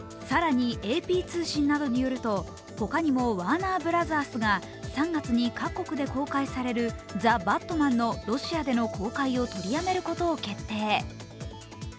更にＡＰ通信などによると、ほかにもワーナー・ブラザースが３月に各国で公開される「ＴＨＥＢＡＴＭＡＮ−ザ・バットマン−」のロシアでの公開を取りやめることを決定。